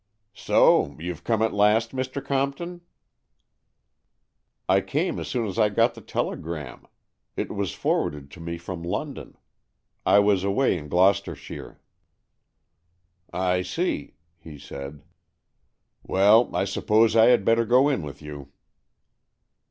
" So you've come at last, Mr. Compton?" ''I came as soon as I got the telegram. It was forwarded to me from London. I was away in Gloucestershire." AN EXCHANGE OF SOULS 91 " I see/' he said. " Well, I suppose I had better go in with you."